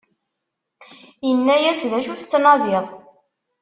inna-yas: D acu i tettnadiḍ?